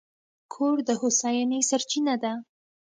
کور د هوساینې سرچینه ده.